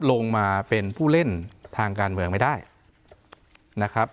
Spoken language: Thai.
ลงมาเป็นผู้เล่นทางการเมืองไม่ได้นะครับ